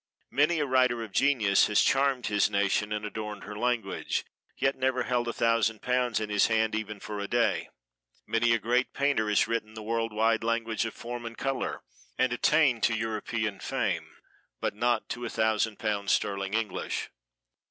Many a writer of genius has charmed his nation and adorned her language, yet never held a thousand pounds in his hand even for a day. Many a great painter has written the world wide language of form and color, and attained to European fame, but not to a thousand pounds sterling English.